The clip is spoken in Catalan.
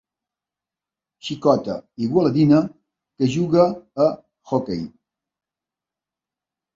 Xicota igualadina que juga a hoquei.